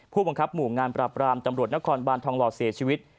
ผู้บังคับหมู่งานปราบรามตำรวจนครบานทองหล่อเสียชีวิต